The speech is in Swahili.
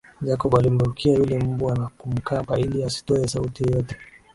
Jacob alimrukia yule mbwa na kumkaba ili asitoe sauti yoyote